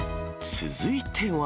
続いては。